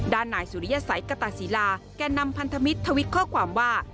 นายสุริยสัยกตาศิลาแก่นำพันธมิตรทวิตข้อความว่า